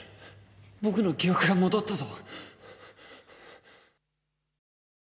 僕の記憶が戻ったと。